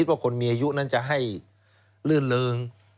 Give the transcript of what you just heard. สวัสดีครับคุณผู้ชมค่ะต้อนรับเข้าที่วิทยาลัยศาสตร์